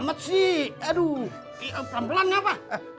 aduh pelan pelan apa